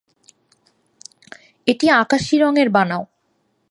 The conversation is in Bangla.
এটি আকাশী রঙের বানাও।